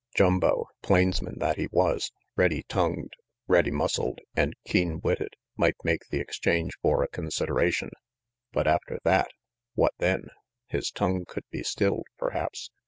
Jumbo, plainsman that he was, ready tongued, ready muscled and keen witted, might make the exchange for a consideration; but after that, what then? His tongue could be stilled, perhaps.